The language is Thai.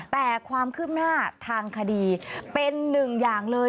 แต่ความคืบหน้าทางคดีเป็นหนึ่งอย่างเลย